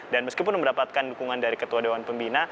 dan meskipun mendapatkan dukungan dari ketua dewan pembina